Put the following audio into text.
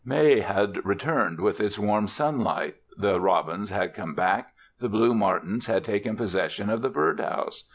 May had returned with its warm sunlight. The robins had come back. The blue martins had taken possession of the bird house.